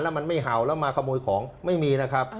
มันไม่เห่าแล้วมาขโมยของไม่มีนะครับ